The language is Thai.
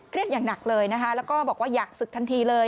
อย่างหนักเลยนะคะแล้วก็บอกว่าอยากศึกทันทีเลย